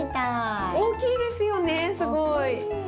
大きいですよねすごい。大きい。